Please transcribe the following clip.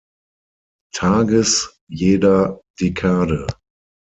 Tages jeder Dekade.